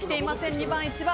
２番と１番。